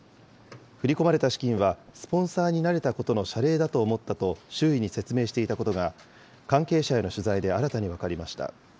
振り込まれた資金はスポンサーになれたことの謝礼だと思ったと周囲に説明していたことが、関係者への取材で新たに分かりました。